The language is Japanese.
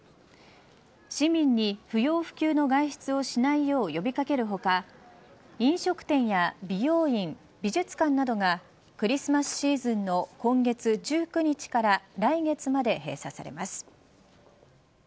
市民に不要不急の外出をしないよう呼び掛ける他飲食店や美容院美術館などがクリスマスシーズンの今月１９日から来月まで閉鎖されます。